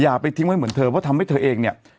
อย่าไปทิ้งไว้เหมือนเธอเพราะทำให้เธอเองเนี่ย